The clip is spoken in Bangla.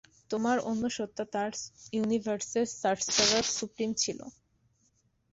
তোমার অন্য সত্তা তার ইউনিভার্সে সর্সারার সুপ্রিম ছিল।